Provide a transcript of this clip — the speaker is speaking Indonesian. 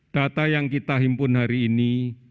data yang kita himpun hari ini